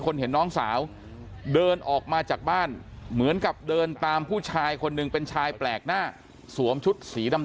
เห็นน้องสาวเดินออกมาจากบ้านเหมือนกับเดินตามผู้ชายคนหนึ่งเป็นชายแปลกหน้าสวมชุดสีดำ